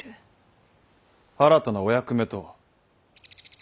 新たなお役目とは？